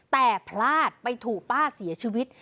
แต่พลาดไปถูกป้าเสียชีวิต